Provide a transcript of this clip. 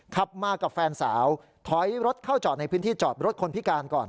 ขับมากับแฟนสาวถอยรถเข้าจอดในพื้นที่จอดรถคนพิการก่อน